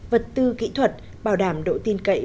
vật tư kỹ thuật bảo đảm độ tin cậy